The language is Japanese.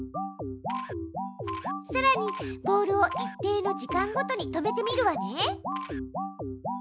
さらにボールを一定の時間ごとに止めてみるわね。